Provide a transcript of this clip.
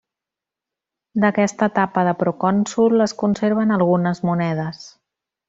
D'aquesta etapa de procònsol es conserven algunes monedes.